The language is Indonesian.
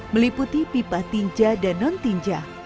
meliputi pipa tinja dan non tinja